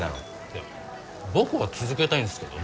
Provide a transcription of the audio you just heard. いや僕は続けたいんすけど。